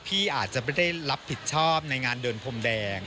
พี่อาจจะไม่ได้รับผิดชอบในงานเดินพรมแดง